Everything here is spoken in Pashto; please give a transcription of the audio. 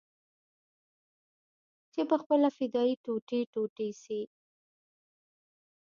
چې پخپله فدايي ټوټې ټوټې سي.